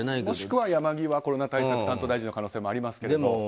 もしくは山際コロナ対策担当大臣の可能性もありますけども。